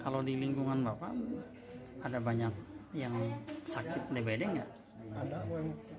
kalau di lingkungan bapak ada banyak yang sakit dpd nggak